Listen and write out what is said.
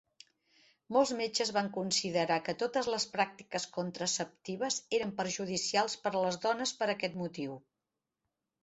Molts metges van considerar que totes les pràctiques contraceptives eren perjudicials per a les dones per aquest motiu.